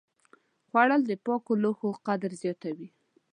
خوړل د پاکو لوښو قدر زیاتوي